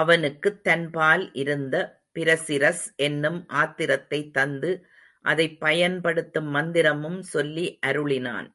அவனுக்குத் தன்பால் இருந்த பிரசிரஸ் என்னும் அத்திரத்தை தந்து அதைப்பயன்படுத்தும் மந்திரமும் சொல்லி அருளினான்.